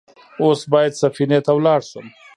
اوس بايد سفينې ته لاړ شم.